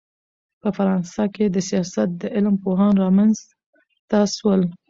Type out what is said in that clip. په فرانسه کښي دسیاست د علم پوهان رامنځ ته سول.